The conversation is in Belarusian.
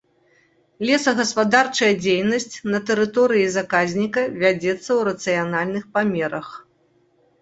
Лесагаспадарчая дзейнасць на тэрыторыі заказніка вядзецца ў рацыянальных памерах.